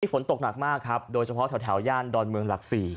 ฝนตกหนักมากครับโดยเฉพาะแถวย่านดอนเมืองหลัก๔